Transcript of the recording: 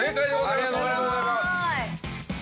◆ありがとうございます。